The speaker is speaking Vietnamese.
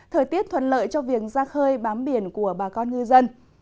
thời tiết thuận lợi cho việc ra khơi bám biển của bà con ngư dân